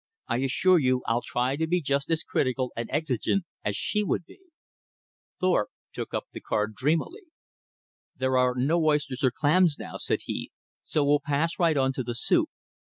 "I assure you I'll try to be just as critical and exigent as she would be." Thorpe took up the card dreamily. "There are no oysters and clams now," said he, "so we'll pass right on to the soup.